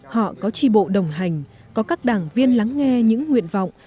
họ có tri bộ đồng hành có các đảng viên lắng nghe những nguyện vọng